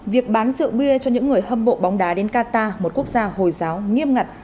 việc bán rượu bia cho những người hâm mộ bóng đá đến qatar một quốc gia hồi giáo nghiêm ngặt